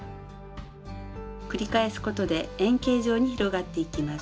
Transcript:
繰り返すことで円形状に広がっていきます。